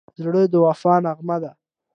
زړه د وفا نغمه ده.